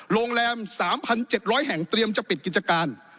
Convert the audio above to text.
โรงแรม๓๗๐๐แห่งเตรียมจะปิดกิจการ